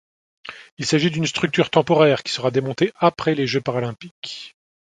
Il s'agit d'une structure temporaire qui sera démontée après les jeux paralympiques.